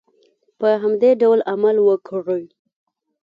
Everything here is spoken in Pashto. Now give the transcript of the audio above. په همدې ډول عمل وکړئ.